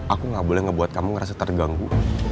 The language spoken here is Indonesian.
aku gak boleh ngebuat kamu ngerasa terganggu